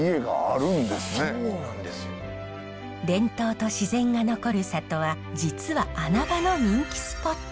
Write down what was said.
伝統と自然が残る里は実は穴場の人気スポット。